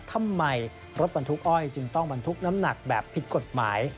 ทำไมรถบรรทุกอ้อยจึงต้องบรรทุกน้ำหนักแบบผิดกฎหมาย